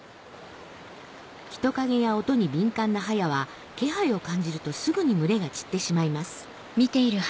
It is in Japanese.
人影や音に敏感なハヤは気配を感じるとすぐに群れが散ってしまいます